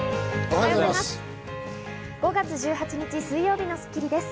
おはようございます。